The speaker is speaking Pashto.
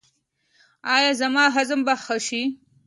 ایا زما هضم به ښه شي؟